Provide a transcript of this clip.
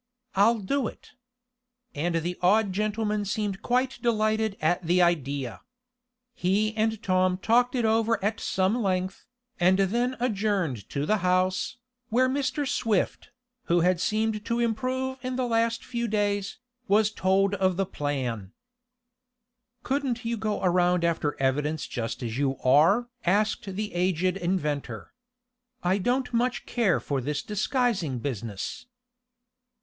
I'll do it." And the odd gentleman seemed quite delighted at the idea. He and Tom talked it over at some length, and then adjourned to the house, where Mr. Swift, who had seemed to improve in the last few days, was told of the plan. "Couldn't you go around after evidence just as you are?" asked the aged inventor. "I don't much care for this disguising business."